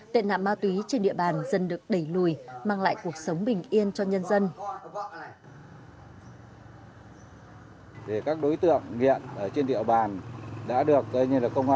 tệ nạn ma túy trên địa bàn dần được đẩy lùi mang lại cuộc sống bình yên cho nhân dân